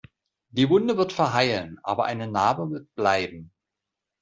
Die Wunde wird verheilen, aber eine Narbe wird bleiben.